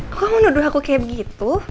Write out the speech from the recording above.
kok kamu menuduh aku kayak begitu